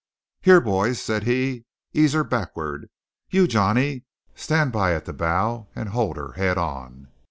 "Here, boys," said he, "ease her backward. You, Johnny, stand by at the bow and hold her head on.